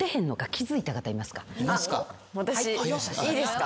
私いいですか？